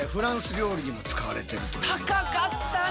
今や高かったね。